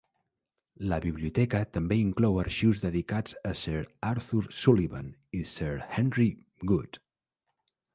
La biblioteca també inclou arxius dedicats a Sir Arthur Sullivan i Sir Henry Wood.